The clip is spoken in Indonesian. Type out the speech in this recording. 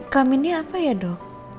kelaminnya apa ya dok